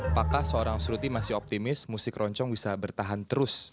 apakah seorang suruti masih optimis musik keroncong bisa bertahan terus